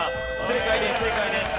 正解です正解です。